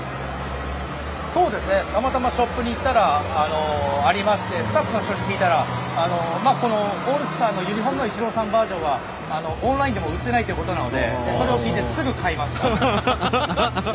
たまたまショップに行ったらありましてスタッフの人に聞いたらオールスターのユニホームはイチローさんバージョンはオンラインでも売っていないということなのでそれを聞いてすぐ買いました。